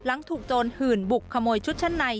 หลังถูกโจรหื่นบุกขโมยชุดชั้นใน